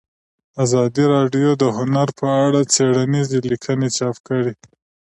ازادي راډیو د هنر په اړه څېړنیزې لیکنې چاپ کړي.